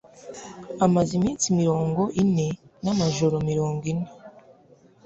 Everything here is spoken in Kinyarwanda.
“Amaze iminsi mirongo ine n’amajoro mirongo ine